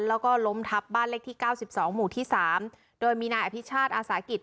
แล้วก็ล้มทับบ้านเลขที่เก้าสิบสองหมู่ที่สามโดยมีนายอภิชาติอาสากิจ